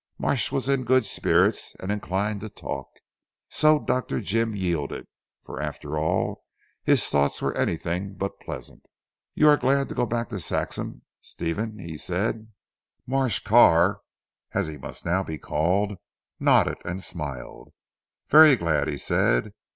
Marsh was in good spirits, and inclined to talk. So Dr. Jim yielded, for after all his thoughts were anything but pleasant. "You are glad to go back to Saxham Stephen?" he said. Marsh Carr (as he must now be called) nodded and smiled. "Very glad," he said.